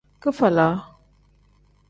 Kifalag.